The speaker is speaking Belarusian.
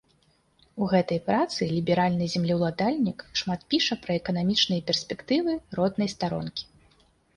У гэтай працы ліберальны землеўладальнік шмат піша пра эканамічныя перспектывы роднай старонкі.